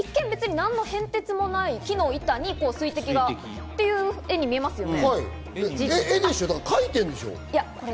何の変哲もない木の板に水滴がという絵に見えますよね。